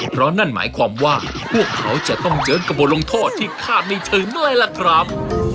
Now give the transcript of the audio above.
เพราะนั่นหมายความว่าพวกเขาจะต้องเจอกับบทลงโทษที่คาดไม่ถึงเลยล่ะครับ